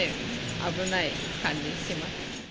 危ない感じします。